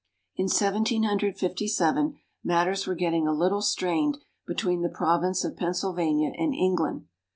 In Seventeen Hundred Fifty seven, matters were getting a little strained between the Province of Pennsylvania and England.